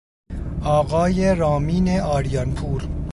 آقای رامین آریان پور